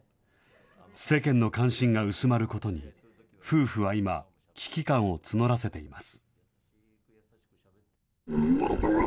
世間の関心が薄まることに、夫婦は今、危機感を募らせています。